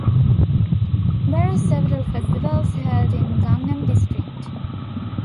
There are several festivals held in Gangnam District.